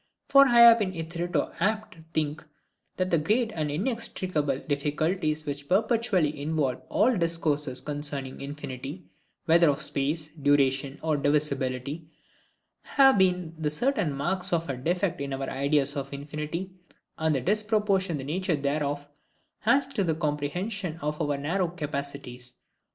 For I have been hitherto apt to think that the great and inextricable difficulties which perpetually involve all discourses concerning infinity,—whether of space, duration, or divisibility, have been the certain marks of a defect in our ideas of infinity, and the disproportion the nature thereof has to the comprehension of our narrow capacities.